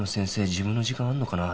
自分の時間あるのかなあ」